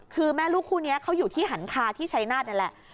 คือแม่ลูกคู่นี้เขาอยู่ที่หันคาที่ชัยนาธนี่แหละ